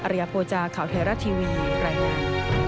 ริยโภจาข่าวไทยรัฐทีวีรายงาน